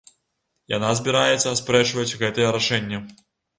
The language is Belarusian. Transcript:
Яна збіраецца аспрэчваць гэтае рашэнне.